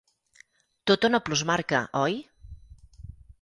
Tota una plusmarca, oi?